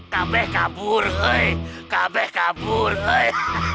kabeh kabur hei kabeh kabur hei